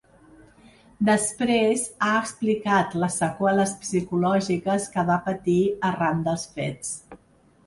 Després ha explicat les seqüeles psicològiques que va patir arran dels fets.